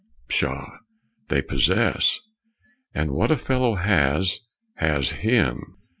Pshaw, they possess! And what a fellow has, has him!